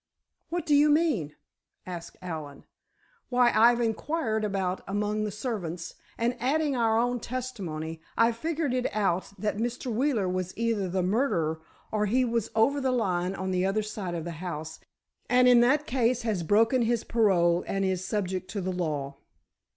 "What do you mean?" asked Allen. "Why, I've inquired about among the servants and, adding our own testimony, I've figured it out that Mr. Wheeler was either the murderer or he was over the line on the other side of the house, and in that case has broken his parole and is subject to the law."